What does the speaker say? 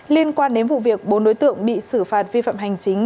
liên quan đến vụ việc bốn đối tượng bị xử phạt vi phạm hành chính